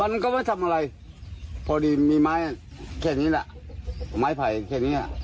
มันก็ไม่ทำอะไรพอดีมีไม้แค่นี้แหละไม้ไผ่แค่เนี้ย